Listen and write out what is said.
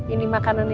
ini makanan ya